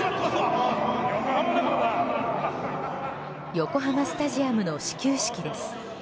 横浜スタジアムの始球式です。